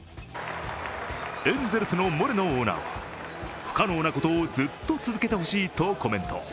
エンゼルスのモレノオーナーは不可能なことをずっと続けてほしいとコメント。